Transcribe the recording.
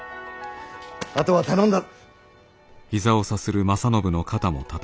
あとは頼んだ。